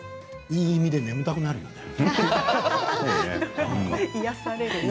いい意味で眠たくなるよね。